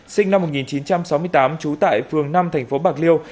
sinh năm một nghìn chín trăm sáu mươi tám trú tại phường năm thành phố bạc liêu